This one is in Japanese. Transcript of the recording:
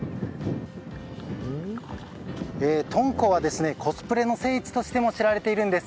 敦煌はコスプレの聖地としても知られているんです。